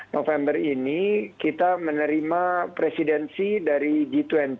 november ini kita menerima presidensi dari g dua puluh